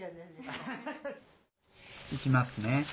いきますね。